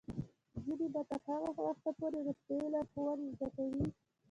نجونې به تر هغه وخته پورې روغتیايي لارښوونې زده کوي.